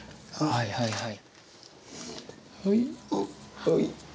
はいはいはい。